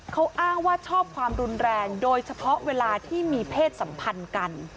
เขาอ้างว่าชอบความรุนแรงโดยเฉพาะเวลาที่มีเพศสัมพันธ์กัน